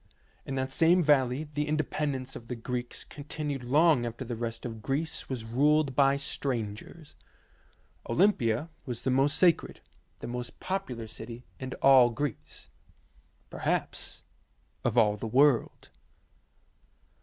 In that same valley the inde pendence of the Greeks continued long after the rest of Greece was ruled by strangers. Olympia was the most sacred, the most popular city in all Greece; perhaps of all the world.